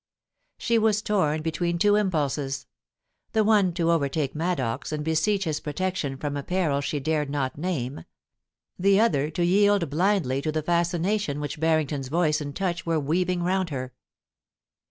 She was torn between two impulses — the one to overtake Maddox and beseech his protection from a peril she dared not name — the other to yield blindly to the fascination which Barrington's voice and touch were weaving round her.